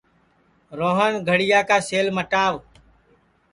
روہن گھڑِیا کا سیل مٹاوَ